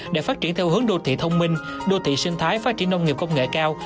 để phát triển theo hướng đô thị thông minh đô thị sinh thái phát triển nông nghiệp công nghệ cao